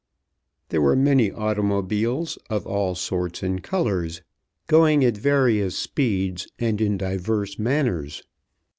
There were many automobiles, of all sorts and colors, going at various speeds and in divers manners.